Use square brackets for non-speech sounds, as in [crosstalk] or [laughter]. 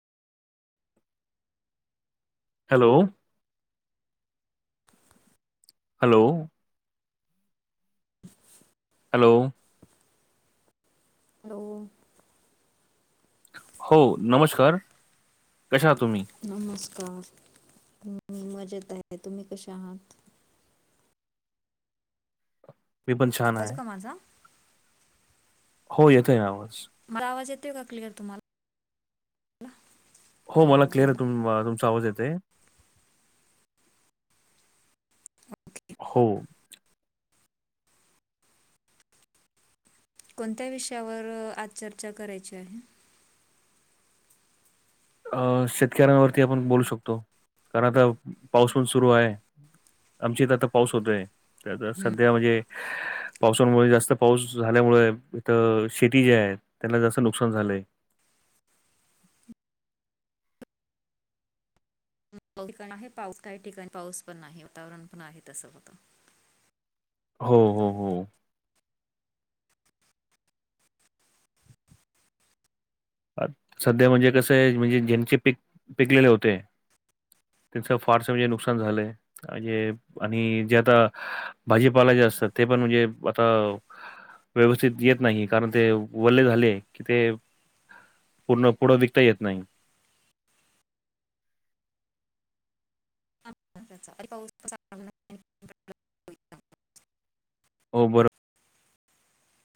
Hello. Hello. Hello. Hello. हो नमस्कार, कशा आहा तुम्ही? नमस्कार, मी मजेत आहे, तुम्ही कशे आहात? मी पण छान [unintelligible] आहे. का माझा. हो येतंय आवाज. मला आवाज येतय का क्लियर तुम्हाला? हो मला हां क्लिअर बोला तुम तुमचा आवाज येतय. हो. कोणत्या विषयावर आज चर्चा करायची आहे? अ शेतकऱ्यांवरती आपण बोलू शकतो कारण आता पाऊस पण सुरू आहे. आमची इथ आता पाऊस होतोय, [unintelligible] हम्म. सध्या म्हणजे पाऊसामुळे जास्त पाऊस झाल्यामुळे इथ शेती जे आहे त्याला जास्त नुकसान झालंय. ठिकाण आहे पाऊस काही ठिकाणं पाऊस पण आहे वातावरण पण आहे तसं होत. हो हो हो. सध्या म्हणजे कसं आहे म्हणजे ज्यांचे पिक पिकलेले होते. त्यांचं फारसं म्हणजे नुकसान झालंय. म्हणजे आणि जे आता भाजीपाला जे असतात ते पण म्हणजे आता व्यवस्थित येत नाही कारण ते वरले झाले की ते पूर्ण पुढं विकता येत नाही. [unintelligible] पाऊस [unintelligible] हो बर.